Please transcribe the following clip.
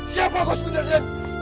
siapa gue sepenjajian